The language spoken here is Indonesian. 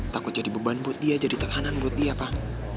takut jadi beban buat dia jadi tahanan buat dia pak